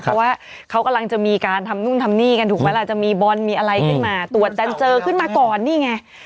เพราะว่าเขากำลังจะมีการทำนู่นทำนี่กันถูกไหมล่ะจะมีบอลมีอะไรขึ้นมาตรวจจันเจอขึ้นมาก่อนนี่ไง